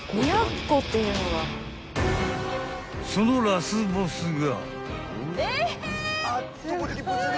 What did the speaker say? ［そのラスボスが］